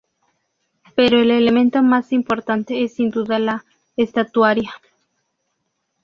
Pero el elemento más importante es sin duda la estatuaria.